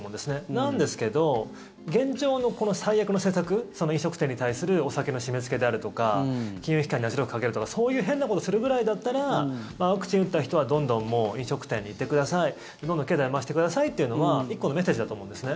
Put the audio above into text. なんですけど現状のこの最悪の政策飲食店に対するお酒の締めつけであるとか金融機関に圧力をかけるとかそういう変なことをするぐらいだったらワクチン打った人はどんどん飲食店に行ってくださいどんどん経済回してくださいというのは１個のメッセージだと思うんですね。